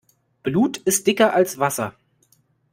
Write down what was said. Blut ist dicker als Wasser.